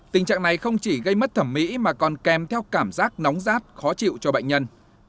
tình trạng này không chỉ gây mất thẩm mỹ mà còn kèm theo cảm giác nóng rát khó chịu cho bệnh nhân